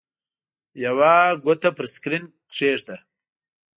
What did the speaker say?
یوه ګوته پر سکرین کېږده.